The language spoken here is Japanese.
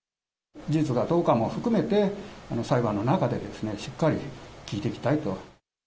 事実がどうかも含めて、裁判の中で、しっかり聞いていきたいと。